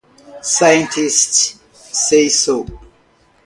Scientists say so.